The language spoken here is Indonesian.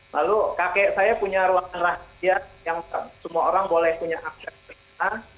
lalu kakek saya punya ruangan rahasia yang semua orang boleh punya akses ke sana